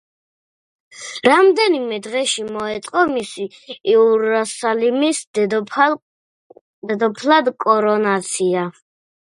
რამდენიმე დღეში მოეწყო მისი იერუსალიმის დედოფლად კორონაცია.